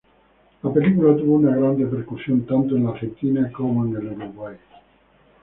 La película tuvo una gran repercusión tanto en la Argentina como Uruguay.